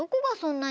なに？